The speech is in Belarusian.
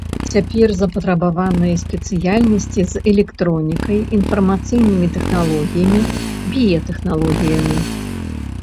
Цяпер запатрабаваныя спецыяльнасці з электронікай, інфармацыйнымі тэхналогіямі, біятэхналогіямі.